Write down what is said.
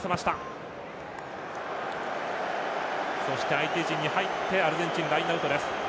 相手陣に入ってアルゼンチン、ラインアウトです。